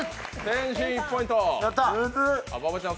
天心、１ポイント。